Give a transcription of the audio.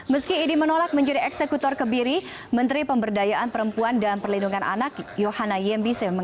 meski idi menolak menjadi eksekutor kebiri menteri pemberdayaan perempuan dan perlindungan anak yohana yembise